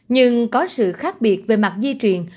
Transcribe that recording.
nhưng có sự khác biệt về mặt di truyền